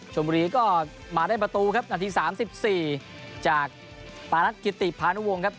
ชมบุรีก็มาได้ประตูครับนาที๓๔จากปานัทกิติพานุวงครับ